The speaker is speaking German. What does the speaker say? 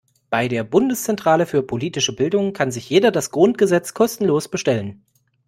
Bei der Bundeszentrale für politische Bildung kann sich jeder das Grundgesetz kostenlos bestellen.